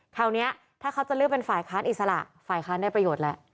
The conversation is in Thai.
คราวนี้ถ้าเขาจะเลือกเป็นฝ่ายค้านอิสระฝ่ายค้านได้ประโยชน์แล้ว